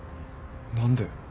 何で？